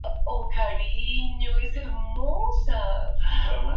Por esta última ganó el premio Ariel a la mejor Co-actuación femenina.